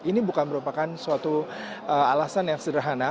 ini bukan merupakan suatu alasan yang sederhana